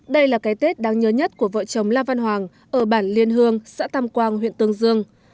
đây là cái tết đáng nhớ nhất của vợ chồng la văn hoàng ở bản liên hương xã tam quang huyện tương dương